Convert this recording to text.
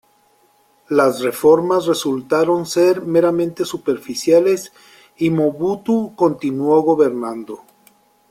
Las reformas resultaron ser meramente superficiales y Mobutu continuó gobernando.